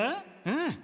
うん。